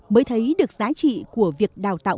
mới thấy được giá trị của việc đào tạo